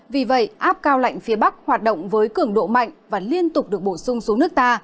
vì vậy áp cao lạnh phía bắc hoạt động với cường độ mạnh và liên tục được bổ sung xuống nước ta